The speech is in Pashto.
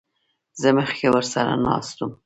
زه مخکې ورسره ناست وم.